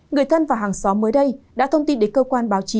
người thân và hàng xóm mới đây đã thông tin đến cơ quan báo chí